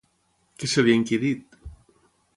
Què se li ha inquirit?